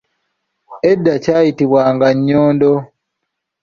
Edda kyayitibwanga Nnyondo.